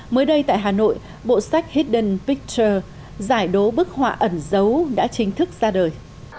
mới đây tại hà nội bộ sách hedone pictor giải đố bức họa ẩn dấu đã chính thức ra đời